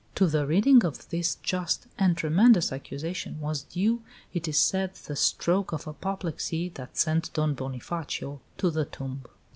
To the reading of this just and tremendous accusation was due, it is said, the stroke of apoplexy that sent Don Bonifacio to the tomb.